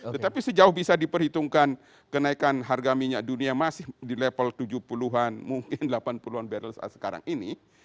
tetapi sejauh bisa diperhitungkan kenaikan harga minyak dunia masih di level tujuh puluh an mungkin delapan puluh an barrel saat sekarang ini